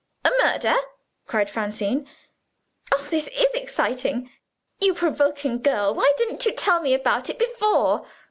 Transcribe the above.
"A murder?" cried Francine. "Oh, this is exciting! You provoking girl, why didn't you tell me about it before?"